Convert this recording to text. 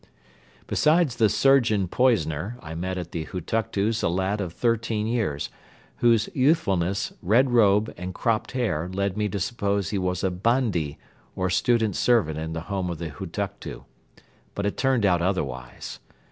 Besides the surgeon poisoner I met at the Hutuktu's a lad of thirteen years, whose youthfulness, red robe and cropped hair led me to suppose he was a Bandi or student servant in the home of the Hutuktu; but it turned out otherwise.